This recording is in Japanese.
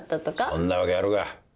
そんなわけあるか。